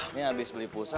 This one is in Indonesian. ini abis beli pusat